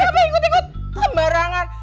kamu ngikut ngikut kemarangan